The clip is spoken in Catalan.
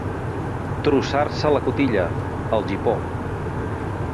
Trossar-se la cotilla, el gipó.